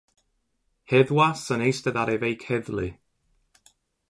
Heddwas yn eistedd ar ei feic heddlu.